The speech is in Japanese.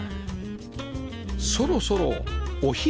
そろそろお昼